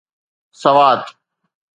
Swat